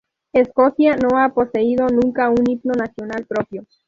Escocia no ha poseído nunca un himno nacional propio.